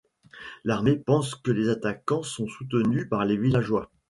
L’armée pense que les attaquants sont soutenus par les villageois.